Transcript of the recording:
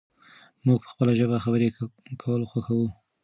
موږ په خپله ژبه خبرې کول خوښوو.